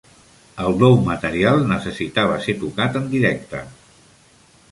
El nou material necessitava ser tocat en directe.